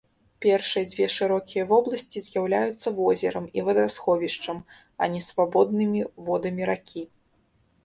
Першыя дзве шырокія вобласці з'яўляюцца возерам і вадасховішчам, а не свабоднымі водамі ракі.